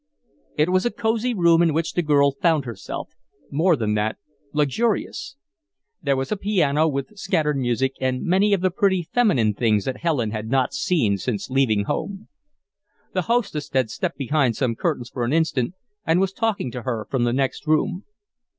It was a cosey room in which the girl found herself more than that luxurious. There was a piano with scattered music, and many of the pretty, feminine things that Helen had not seen since leaving home. The hostess had stepped behind some curtains for an instant and was talking to her from the next room.